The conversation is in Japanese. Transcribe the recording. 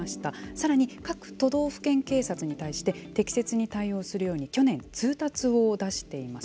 さらに各都道府県警察に対して適切に対応するように去年通達を出しています。